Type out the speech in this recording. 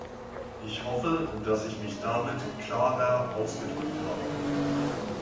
Ich hoffe, dass ich mich damit klarer ausgedrückt habe.